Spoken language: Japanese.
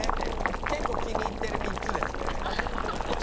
結構気に入ってる３つですね。